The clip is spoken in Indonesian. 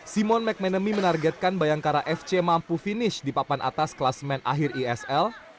simon mcmanamy menargetkan bayangkara fc mampu finish di papan atas kelas main akhir isl